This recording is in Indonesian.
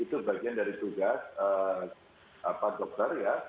itu bagian dari tugas itu bagian dari tugas